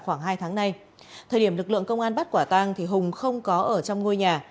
khoảng hai tháng nay thời điểm lực lượng công an bắt quả tang thì hùng không có ở trong ngôi nhà